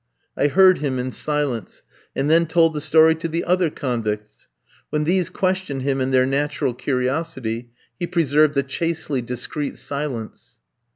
I heard him in silence, and then told the story to the other convicts. When these questioned him in their natural curiosity, he preserved a chastely discreet silence.